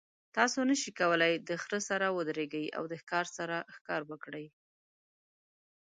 تاسو نشئ کولی د خر سره ودریږئ او د ښکار سره ښکار وکړئ.